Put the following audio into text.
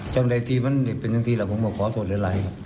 จนแต่ทีมันเป็นทางทีผมก็ขอโทษหลาย